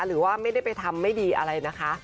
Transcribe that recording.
หรือว่าไม่ได้ไปทำไม่ดีอะไรนะคะ